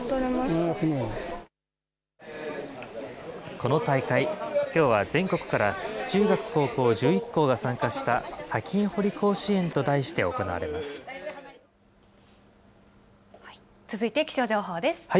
この大会、きょうは全国から中学・高校１１校が参加した砂金掘り甲子園と題続いて気象情報です。